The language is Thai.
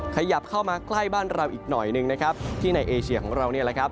ขยับเข้ามาใกล้บ้านเราอีกหน่อยหนึ่งที่ในเอเชียของเรา